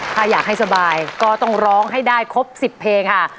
ถ้าอยากให้สบายก็ต้องร้องให้ได้ครบ๑๐เพลงค่ะ